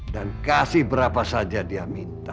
dan kasih berapa saja dia minta